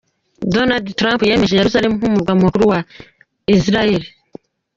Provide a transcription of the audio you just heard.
Donald Trump yemeje Yerusaremu nk'umurwa mukuru wa Isirayeri.